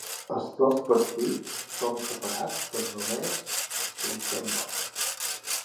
Els dos partits són separats per només cinc-cents vots.